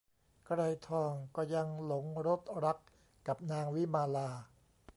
ไกรทองก็ยังหลงรสรักกับนางวิมาลา